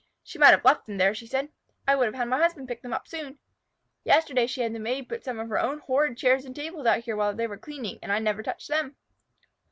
"She might have left them there," she said. "I would have had my husband pick them up soon. Yesterday she had the Maid put some of her own horrid chairs and tables out here while they were cleaning, and I never touched them."